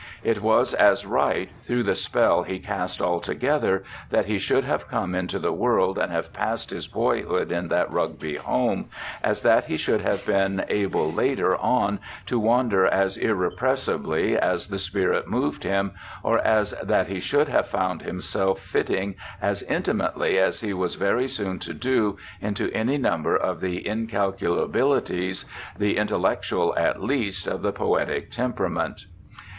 It was as right, through the spell he cast altogether, that he should have come into the world and have passed his boyhood in that Rugby home, as that he should have been able later on to wander as irrepressibly as the spirit moved him, or as that he should have found himself fitting as intimately as he was very soon to do into any number of the incalculabilities, the intellectual at least, of the poetic temperament.